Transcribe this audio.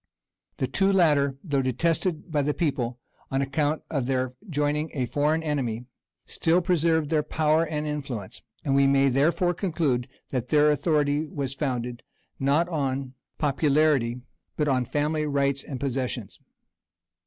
The two latter, though detested by the people on account of their joining a foreign enemy, still preserved their power and influence; and we may therefore conclude that their authority was founded, not on popularity, but on family rights and possessions.